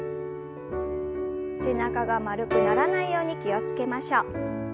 背中が丸くならないように気を付けましょう。